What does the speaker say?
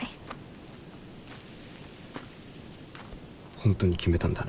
本当に決めたんだな。